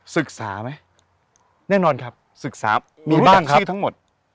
ศึกษาไหมแน่นอนครับศึกษามีบ้างครับรู้จักชื่อทั้งหมด